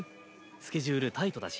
スケジュールタイトだし。